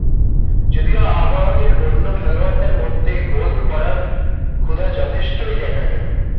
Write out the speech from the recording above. যদিও আবাহনীর অন্য খেলোয়াড়দের মধ্যে গোল করার ক্ষুধা যথেষ্টই দেখা গেল।